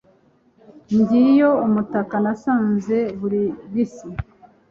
ngiyo umutaka nasanze muri bisi